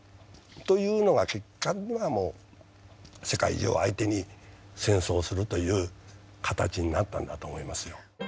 というのが結果ではもう世界中を相手に戦争をするという形になったんだと思いますよ。